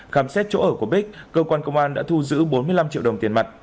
khám xét chỗ ở của bích cơ quan công an đã thu giữ bốn mươi năm triệu đồng tiền mặt